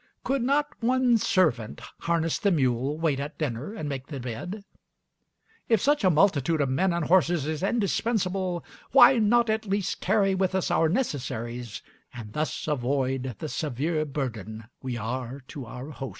Could not one servant harness the mule, wait at dinner, and make the bed? If such a multitude of men and horses is indispensable, why not at least carry with us our necessaries, and thus avoid the severe burden we are to our hosts?...